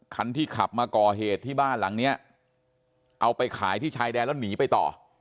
คันที่ขับมาก่อเหตุที่บ้านหลังเนี้ยเอาไปขายที่ชายแดนแล้วหนีไปต่อ